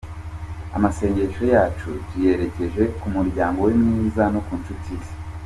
Amasengesho yacu tuyerekeje ku muryango we mwiza no ku nshuti ze.